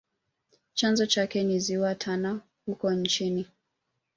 Chanzo chake ni ziwa tana huko nchini